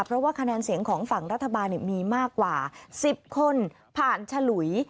เพราะว่าคะแนนเสียงของฝั่งรัฐบาลมีมากกว่า๑๐คนผ่านฉลุย